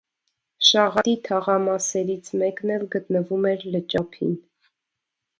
Շաղատի թաղամասերից մեկն էլ գտնվում էր լճափին։